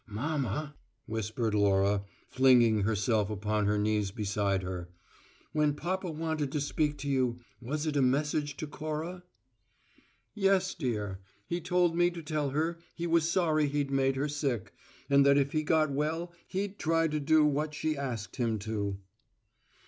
"Mamma," whispered Laura, flinging herself upon her knees beside her, "when papa wanted to speak to you, was it a message to Cora?" "Yes, dear. He told me to tell her he was sorry he'd made her sick, and that if he got well he'd try to do what she asked him to."